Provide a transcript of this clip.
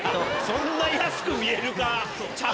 そんな安く見えるか？